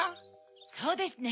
そうですね。